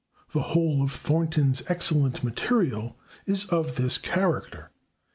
The whole of Thornton's excellent material is of this character.